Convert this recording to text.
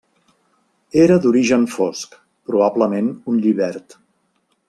Era d'origen fosc, probablement un llibert.